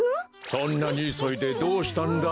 そんなにいそいでどうしたんだい？